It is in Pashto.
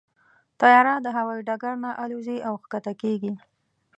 طیاره د هوايي ډګر نه الوزي او کښته کېږي.